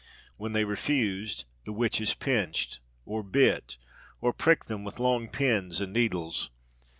When they refused, the witches pinched, or bit, or pricked them with long pins and needles.